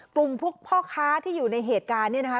กลุ่มพวกพ่อค้าที่อยู่ในเหตุการณ์เนี่ยนะคะ